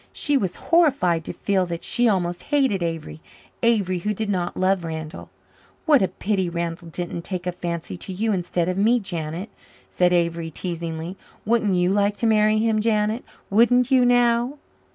She was horrified to feel that she almost hated Avery Avery who did not love Randall. "What a pity Randall didn't take a fancy to you instead of me, Janet," said Avery teasingly. "Wouldn't you like to marry him, Janet? Wouldn't you now?"